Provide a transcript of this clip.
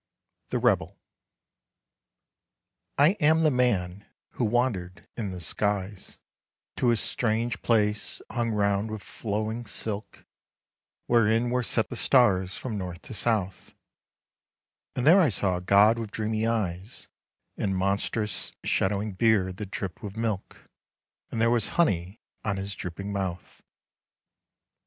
THE REBEL I AM the man who wandered in the skies, To a strange place hung round with flowing silk Wherein were set the stars from north to south ; And there I saw a god with dreamy eyes, And monstrous shadowing beard that dripped with milk, And there was honey on his drooping mouth.